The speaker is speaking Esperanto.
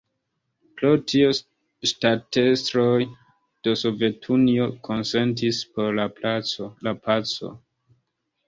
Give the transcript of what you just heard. Pro tio ŝtatestroj de Sovetunio konsentis por la paco.